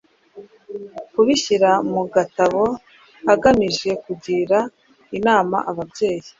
kubishyira mu gatabo agamije kugira inama ababyeyi